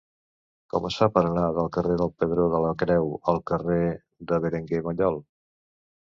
Com es fa per anar del carrer del Pedró de la Creu al carrer de Berenguer Mallol?